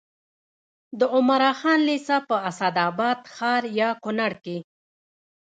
د عمراخان لېسه په اسداباد ښار یا کونړ کې